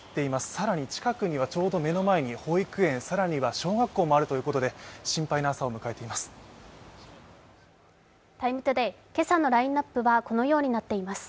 更に近くにはちょうど目の前に保育園、更には小学校もあるということで、心配な朝を迎えています。